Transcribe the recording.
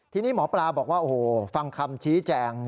ทีนี้หมอปลาบอกว่าโอ้โหฟังคำชี้แจง